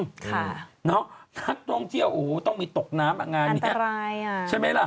ค่ะเนอะนักลงเจ้าโอ้โฮต้องมีตกน้ำอ่ะงานนี้ใช่ไหมล่ะอันตราย